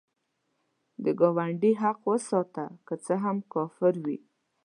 د ګاونډي حق وساته، که څه هم کافر وي